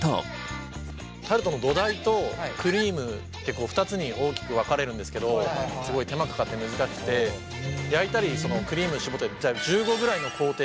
タルトの土台とクリームって２つに大きく分かれるんですけどすごい手間かかって難しくて焼いたりクリームしぼったり１５ぐらいの工程が必要なんですよ。